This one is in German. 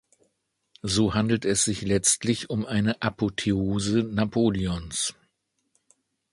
So handelt es sich letztlich um eine Apotheose Napoleons.